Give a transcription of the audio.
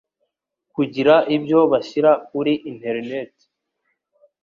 kugira ibyo bashyira kuri interineti